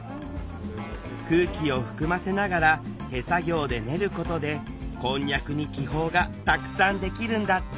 空気を含ませながら手作業で練ることでこんにゃくに気泡がたくさんできるんだって。